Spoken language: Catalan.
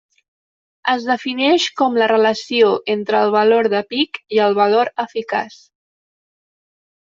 Es defineix com la relació entre el valor de pic i el valor eficaç.